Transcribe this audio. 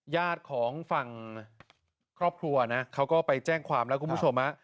ญาติของฝั่งครอบครัวนะเขาก็ไปแจ้งความแล้วคุณผู้ชม